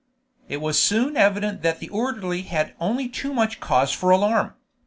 It was soon evident that the orderly had only too much cause for alarm.